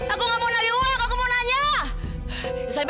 aku gak mau lagi uar aku mau nanya